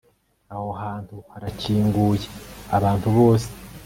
Aho hantu harakinguye abantu bose